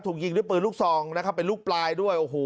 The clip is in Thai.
ถูกยิงด้วยปืนลูกซองนะครับเป็นลูกปลายด้วยโอ้โห